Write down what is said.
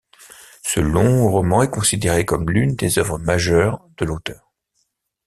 Ce long roman est considéré comme l'une des œuvres majeures de l'auteur.